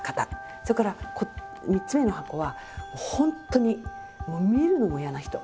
それから３つ目の箱は本当に見るのも嫌な人。